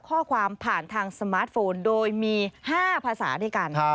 ข้อความผ่านทางสมาร์ทโฟนโดยมี๕ภาษาด้วยกัน